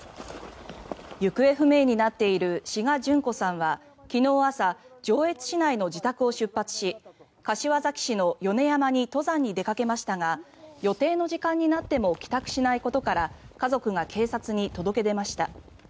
行方不明になっている志賀淳子さんは、昨日朝上越市内の自宅を出発し柏崎市の米山に登山に出かけましたが予定の時間になっても帰宅しないことから家族が警察に届け出ました。